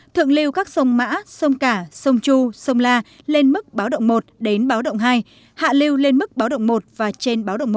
thượng lưu các sông mã sông cả sông chu sông la lên mức báo động một đến báo động hai hạ lưu lên mức báo động một và trên báo động một